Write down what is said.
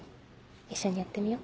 一緒にやってみよう。